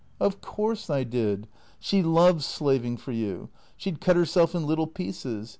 " Of course I did. She loves slaving for you. She 'd cut her self in little pieces.